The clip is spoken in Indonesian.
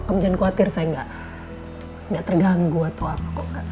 kamu jangan khawatir saya gak terganggu atau apa kok